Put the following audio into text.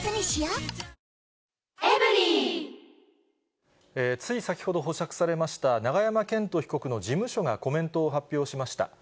「ほんだし」でつい先ほど保釈されました、永山絢斗被告の事務所がコメントを発表しました。